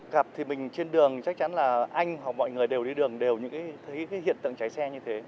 gặp thì mình trên đường chắc chắn là anh hoặc mọi người đều đi đường đều những thấy cái hiện tượng cháy xe như thế